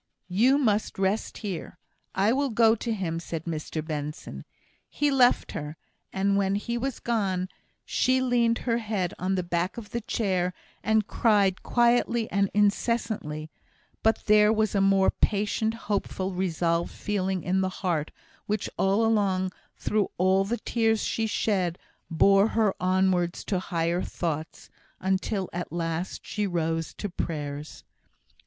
"You must rest here. I will go to him," said Mr Benson. He left her; and when he was gone, she leaned her head on the back of the chair, and cried quietly and incessantly; but there was a more patient, hopeful, resolved feeling in her heart, which all along, through all the tears she shed, bore her onwards to higher thoughts, until at last she rose to prayers.